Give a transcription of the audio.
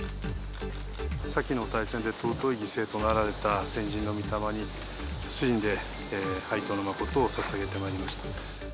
先の大戦で尊い犠牲となられた先人のみ霊に、謹んで哀悼の誠をささげてまいりました。